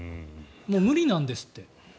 無理なんですって。